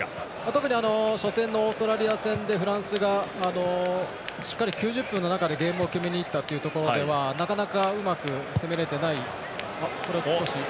特に初戦のオーストラリア戦でフランスがしっかり９０分の中でゲームを決めにいったというところではなかなかうまく攻められていない。